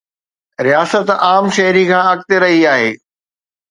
رياست عام شهري کان اڳتي رهي آهي.